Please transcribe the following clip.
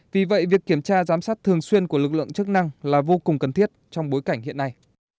vì vậy việc kiểm tra giám sát thường xuyên của lực lượng chức năng là vô cùng cần thiết trong bối cảnh hiện nay